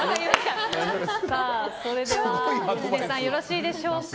それでは芳根さんよろしいでしょうか。